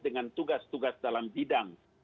dengan tugas tugas dalam bidang